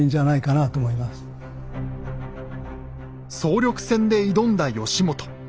総力戦で挑んだ義元。